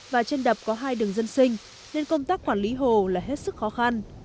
và trên đập có hai đường dân sinh nên công tác quản lý hồ là hết sức khó khăn